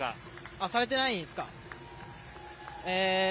されてないんですか。